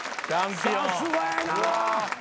さすがやな。